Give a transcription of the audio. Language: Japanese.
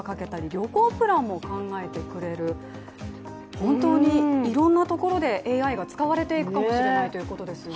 本当にいろんなところでＡＩが使われていくかもしれないということですね。